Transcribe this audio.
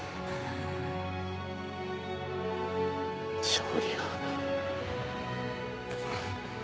勝利を。